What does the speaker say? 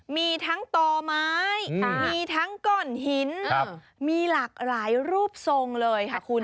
มีทั้งต่อไม้มีทั้งก้อนหินมีหลากหลายรูปทรงเลยค่ะคุณ